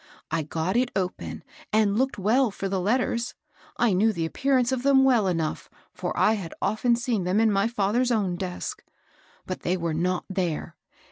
I got it open and looked well for the letters. I knew the appearance of them well enough, for I had often seen them in my father's own desk. But they were not there.